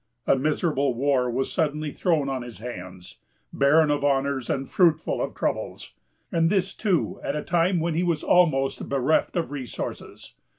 A miserable war was suddenly thrown on his hands, barren of honors and fruitful of troubles; and this, too, at a time when he was almost bereft of resources.